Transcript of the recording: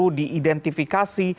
juga tidak perlu diidentifikasi